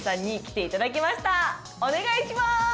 お願いしまーす！